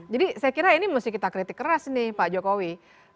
jadi saya kira ini mesti kita kritik keras nih pak jokowi